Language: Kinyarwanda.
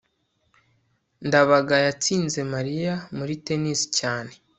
ndabaga yatsinze mariya muri tennis cyane